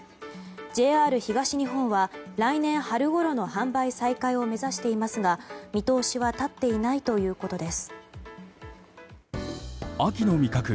ＪＲ東日本は来年春ごろの販売再開を目指していますが見通しは立っていないということです。